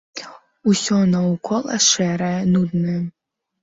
Усё наўкола шэрае, нуднае.